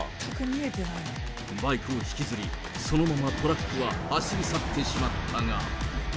バイクを引きずり、そのままトラックは走り去ってしまったが。